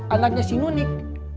anaknya si nunik